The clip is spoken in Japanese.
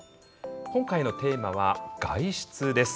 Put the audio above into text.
今回のテーマは「外出」です。